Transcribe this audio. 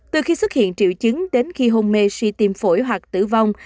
từ khi xuất hiện triệu chứng đến khi hôn mê suy tim phổi hoặc tử vong